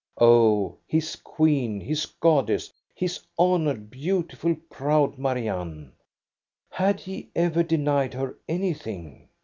Oh, his queen, his goddess, his honored, beautiful, proud Marianne! Had he ever denied her anything?